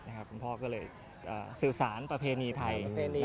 คุณพ่อก็เลยสื่อสารประเพณีไทย